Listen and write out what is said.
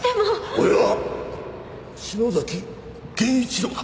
俺は篠崎源一郎だ。